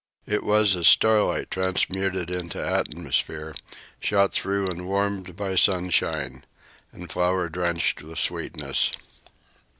It was as starlight transmuted into atmosphere, shot through and warmed by sunshine, and flower drenched with sweetness.